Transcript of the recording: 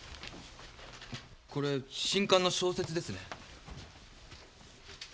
これ新刊の小説ですね。